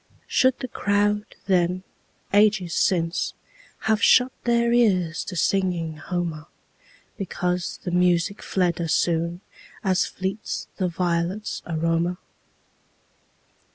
Should the crowd then, ages since, Have shut their ears to singing Homer, Because the music fled as soonAs fleets the violets' aroma?